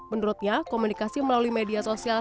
menurutnya komunikasi melalui media sosial